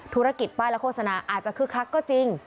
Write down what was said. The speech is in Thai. ธุรกิจป้ายและโฆษณาอาจจะคึกคักก็จริง